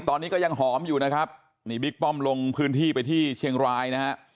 ตอนนี้ก็ยังหอมอยู่นะครับนี่บิ๊กป้อมลงพื้นที่ไปที่เชียงรายนะฮะ